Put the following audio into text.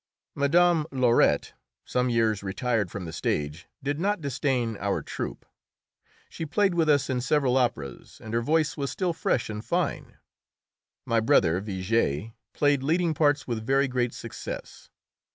Mme. Laruette, some years retired from the stage, did not disdain our troupe. She played with us in several operas, and her voice was still fresh and fine. My brother Vigée played leading parts with very great success.